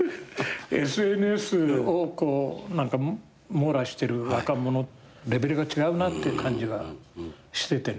ＳＮＳを網羅してる若者レベルが違うなって感じがしててね。